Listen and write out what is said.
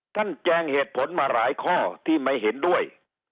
แจงเหตุผลมาหลายข้อที่ไม่เห็นด้วย